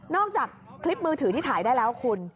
จากคลิปมือถือที่ถ่ายได้แล้วคุณ